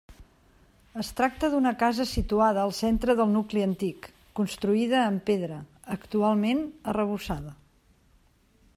Es tracta d'una casa situada al centre del nucli antic, construïda amb pedra, actualment arrebossada.